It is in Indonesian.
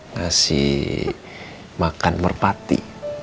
nasi makan merpati